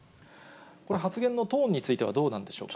これ、発言のトーンについては、どうなんでしょうか。